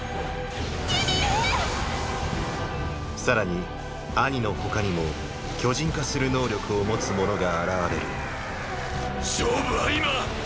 さらにアニの他にも巨人化する能力を持つ者が現れる勝負は今！！